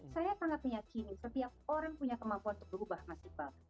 saya sangat meyakini setiap orang punya kemampuan untuk berubah mas iqbal